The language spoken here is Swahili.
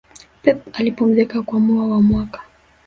pep alipumzika kwa muwa wa mwaka